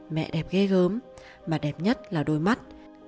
mẹ đẹp ghê gớm mà đẹp nhất là đôi mắt